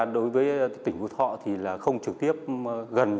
đối với công ty cổ phần xuất nhập khẩu hưng hiền